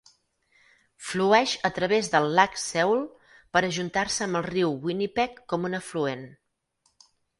Flueix a través del Lac Seul per ajuntar-se amb el riu Winnipeg com un afluent.